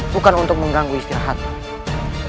bukan untuk mengganggu istirahatku